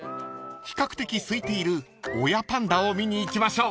［比較的すいている親パンダを見に行きましょう］